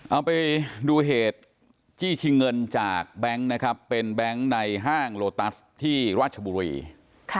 เอาไปดูเหตุจี้ชิงเงินจากแบงค์นะครับเป็นแบงค์ในห้างโลตัสที่ราชบุรีค่ะ